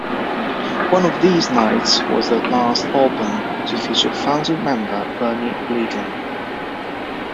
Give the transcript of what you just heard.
"One of These Nights" was their last album to feature founding member Bernie Leadon.